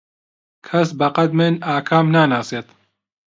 کەس بەقەد من ئاکام ناناسێت.